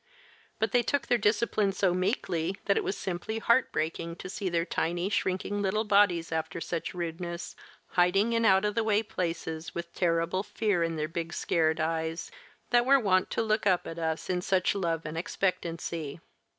But they took their discipline so meekly that it was simply heartbreaking to see their tiny, shrinking little bodies after such rudeness, hiding in out of the way places, with terrible fear in their big scared eyes, that were wont to look up at us in such love and expectancy.